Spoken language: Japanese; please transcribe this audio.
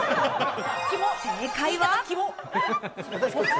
正解は。